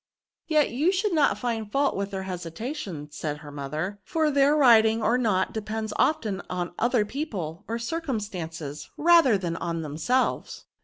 " Yet you should not find fault with their hesitation/' said her mother ;^' for their rid ing or not depends often on other people or circumstances^ rather than on themselves."